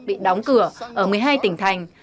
bị đóng cửa ở một mươi hai tỉnh thành